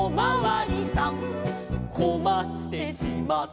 「こまってしまって」